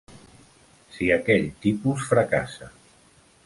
Si aquell tipus fracassa.